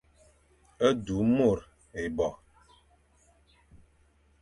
Du môr ébo.